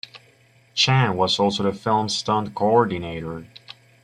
Chan was also the film's stunt co-ordinator.